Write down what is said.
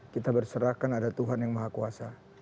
kita berserahkan ada tuhan yang maha kuasa